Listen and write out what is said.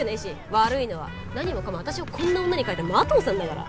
悪いのは何もかも私をこんな女に変えた麻藤さんだから。